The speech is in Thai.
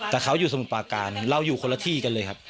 แต่เขาอยู่สมุทรปาการเราอยู่คนละที่กันเลยครับ